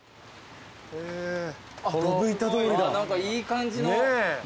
何かいい感じの。